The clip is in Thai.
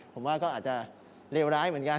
ผมว่าก็อาจจะเลวร้ายเหมือนกัน